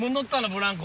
ブランコ。